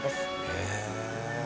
「へえ」